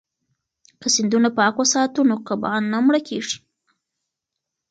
که سیندونه پاک وساتو نو کبان نه مړه کیږي.